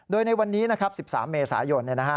โดยในวันนี้นะครับ๑๓เมษายน